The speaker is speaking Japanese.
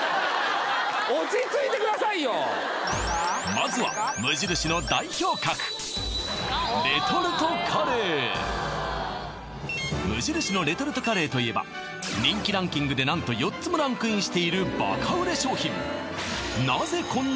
まずは無印の代表格レトルトカレー無印のレトルトカレーといえば人気ランキングで何と４つもランクインしているバカ売れ商品